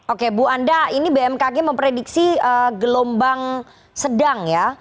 oke bu anda ini bmkg memprediksi gelombang sedang ya